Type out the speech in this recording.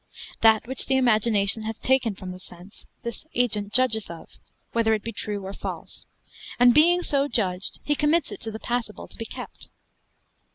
That which the imagination hath taken from the sense, this agent judgeth of, whether it be true or false; and being so judged he commits it to the passible to be kept.